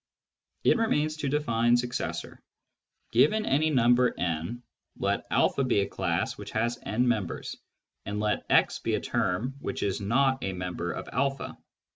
It remains to define " successor." Given any number «, let a be a class which has « members, and let x be a term which is not a member of a.